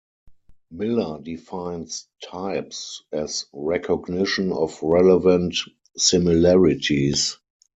Miller defines "types" as "recognition of relevant similarities".